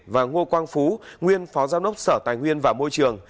và ngô quang phú nguyên phó giám đốc sở tài nguyên và môi trường